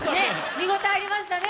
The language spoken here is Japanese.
見応えありましたね。